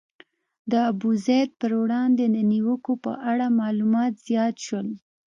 د ابوزید پر وړاندې د نیوکو په اړه معلومات زیات شول.